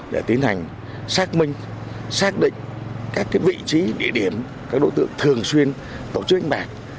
để tiến hành xác minh xác định các vị trí địa điểm các đối tượng thường xuyên tổ chức đánh bạc